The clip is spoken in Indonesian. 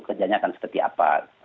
kerjanya akan seperti apa